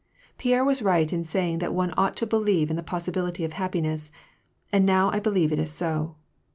" Pierre was right in saying that one ought to believe in the possibility of happiness, and now I believe it is so.